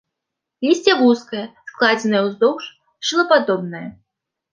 Лісце вузкае, складзенае ўздоўж, шылападобнае.